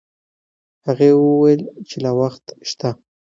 هغې وویل چې لا وخت شته.